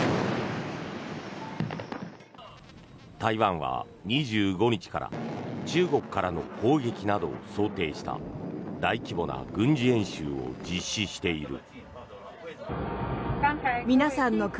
台湾は２５日から中国からの攻撃などを想定した大規模な軍事演習を実施している。